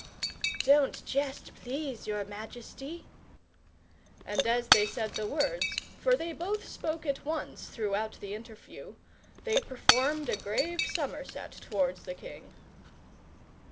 "Don't jest, please your majesty." And as they said the words for they both spoke at once throughout the interview they performed a grave somerset towards the king.